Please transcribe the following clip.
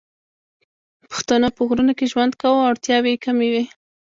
پښتنو په غرونو کې ژوند کاوه او اړتیاوې یې کمې وې